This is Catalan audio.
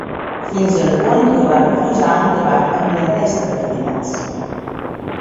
Fins al punt que va refusar un debat amb la resta de candidats.